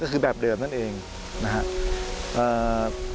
ก็คือแบบเดิมนั่นเองนะครับ